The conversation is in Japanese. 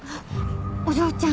お嬢ちゃん